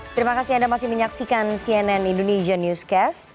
terima kasih anda masih menyaksikan cnn indonesia newscast